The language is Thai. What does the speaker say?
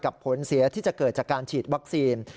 ผลเสียที่จะเกิดจากการฉีดวัคซีน